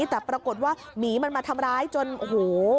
แต่ปรากฏว่าหมีมันมาทำร้ายจนโอ้โห